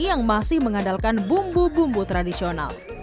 yang masih mengandalkan bumbu bumbu tradisional